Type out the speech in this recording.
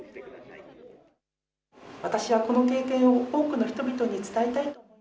私はこの経験を多くの人々に伝えたい。